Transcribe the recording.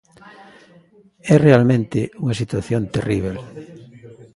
É realmente unha situación terríbel.